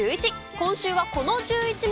今週はこの１１枚。